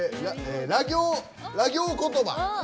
ラ行言葉。